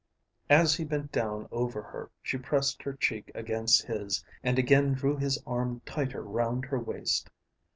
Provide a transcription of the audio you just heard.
As he bent down over her she pressed her cheek against his and again drew his arm tighter round her waist.